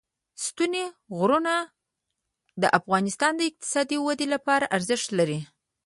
ستوني غرونه د افغانستان د اقتصادي ودې لپاره ارزښت لري.